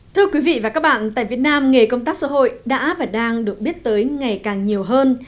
thưa quý vị và các bạn tại việt nam nghề công tác xã hội đã và đang được biết tới ngày càng nhiều hơn